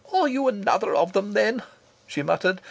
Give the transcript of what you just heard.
"Are you another of them, then?" she muttered.